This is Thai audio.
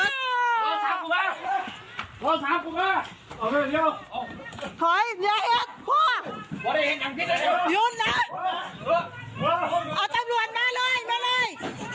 นี่เหมือนหอยอย่าเห็นพ่อยืนเลยเอาตำรวจมาเลยมาเลย